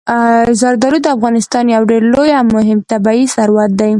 زردالو د افغانستان یو ډېر لوی او مهم طبعي ثروت دی.